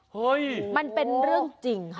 มันเป็นเรื่องจริงค่ะ